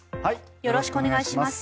よろしくお願いします。